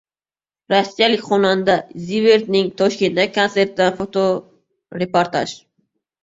Rossiyalik xonanda Zivert’ning Toshkentdagi konsertidan fotoreportaj